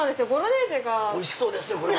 おいしそうですねこれも。